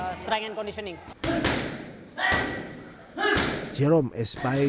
jelang laganya melawan jerome espaye jelang laganya melawan jerome espaye